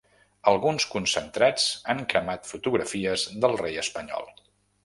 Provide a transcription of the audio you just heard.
Alguns concentrats han cremat fotografies del rei espanyol.